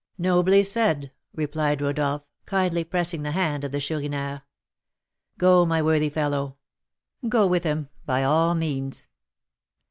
"Nobly said!" replied Rodolph, kindly pressing the hand of the Chourineur. "Go, my worthy fellow! Go with him, by all means!"